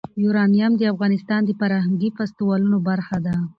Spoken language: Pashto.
یورانیم د افغانستان د فرهنګي فستیوالونو برخه ده.